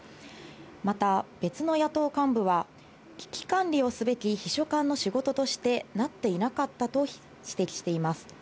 また別の野党幹部は、危機管理をすべき秘書官の仕事としてなっていなかったと指摘しています。